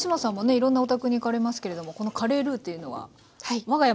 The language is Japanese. いろんなお宅に行かれますけれどもこのカレールーっていうのはわが家も必ずありますけれども。